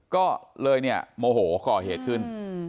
ก็เลยเนี่ยโมโหก่อเหตุขึ้น